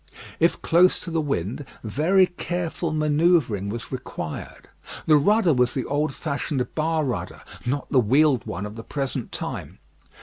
If close to the wind, very careful manoeuvring was required. The rudder was the old fashioned bar rudder, not the wheeled one of the present time.